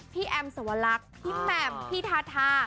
พี่แอมสวรรคพี่แมมพี่ทาทา